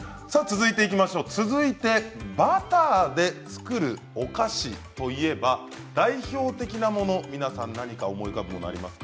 続いて、バターで作るお菓子といえば代表的なもの皆さん、何か思い浮かぶものありますか？